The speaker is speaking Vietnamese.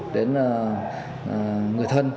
đến người thân